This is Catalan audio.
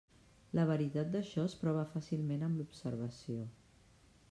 La veritat d'això es prova fàcilment amb l'observació.